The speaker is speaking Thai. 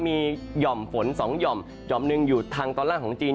มีหย่อมฝน๒หย่อมห่อมหนึ่งอยู่ทางตอนล่างของจีน